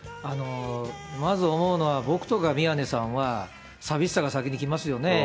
まず思うのは、僕とか宮根さんは寂しさが先にきますよね。